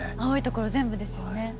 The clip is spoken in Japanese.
青い所全部ですよね。